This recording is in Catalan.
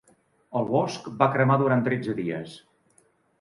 El bosc va cremar durant tretze dies.